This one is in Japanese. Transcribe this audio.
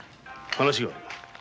話が。